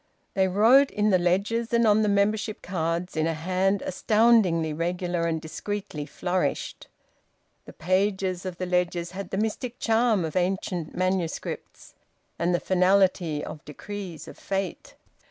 They wrote in the ledgers, and on the membership cards, in a hand astoundingly regular and discreetly flourished; the pages of the ledgers had the mystic charm of ancient manuscripts, and the finality of decrees of fate.